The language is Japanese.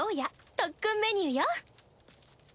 特訓メニューよ！